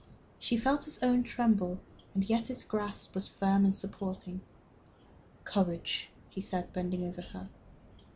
She felt his own tremble, and yet its grasp was firm and supporting. "Courage!" he said, bending over her.